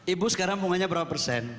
ibu sekarang bunganya berapa persen